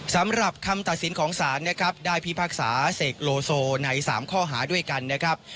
สำหรับคำตัดสินของศาลนะครับได้พิพากษาเสกโลโซใน๓ข้อหาด้วยกันนะครับ